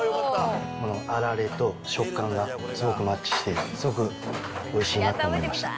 あられと食感がすごくマッチして、すごくおいしいなと思いました。